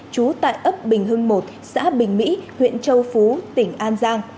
trú tại ấp bình hưng một xã bình mỹ huyện châu phú tỉnh an giang